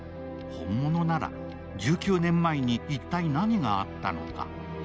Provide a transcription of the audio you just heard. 本物なら１９年前に一体何があったのか。